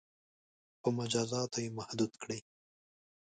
• په مجازاتو یې محدود کړئ.